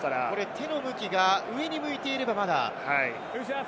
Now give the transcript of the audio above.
手の向きが上に向いていれば、まだ。